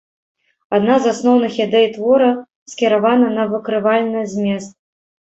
Адна з асноўных ідэй твора скіравана на выкрывальны змест.